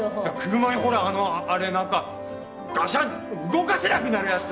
車にほらあのあれ何かガシャン動かせなくなるやつ！